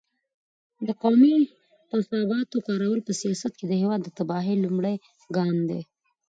د قومي تعصباتو کارول په سیاست کې د هېواد د تباهۍ لومړی ګام دی.